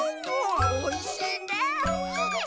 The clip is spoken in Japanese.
おいしいね。